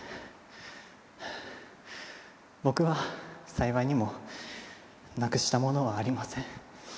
僕は幸いにもなくしたものはありません。